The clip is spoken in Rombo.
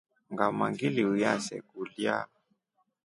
Ngama ngiluiya se kulya.